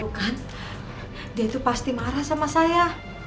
tuh kan dia tuh pasti marah sama saya